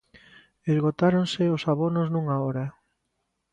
Esgotáronse os abonos nunha hora.